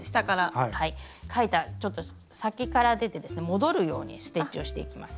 描いたちょっと先から出てですね戻るようにステッチをしていきます。